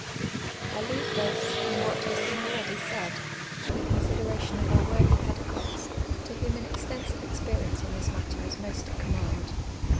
I leave this, and what has been ah'eady said, to the consideration of our worthy pedagogues, to whom an extensive experience on this matter is most at command.